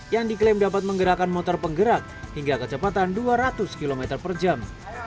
yang diklaim dapat menggerakkan motor penggerak hingga kecepatan dua ratus km per jam